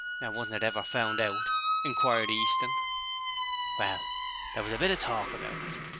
'And wasn't it never found out?' inquired Easton. 'Well, there was a bit of talk about it.